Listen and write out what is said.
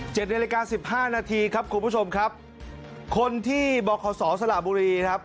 เจ็ดในรายการสิบห้านาทีครับคุณผู้ชมครับคนที่บอกเขาสอสระบุรีครับ